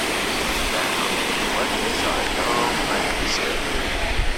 Now, what does our young friend say?